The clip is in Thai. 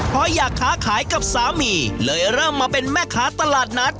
เพราะอยากค้าขายกับสามีเลยเริ่มมาเป็นแม่ค้าตลาดนัด